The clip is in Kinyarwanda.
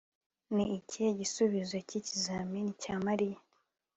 Ni ikihe gisubizo cyikizamini cya Mariya